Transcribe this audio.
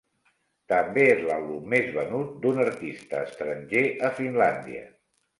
També és l'àlbum més venut d'un artista estranger a Finlàndia.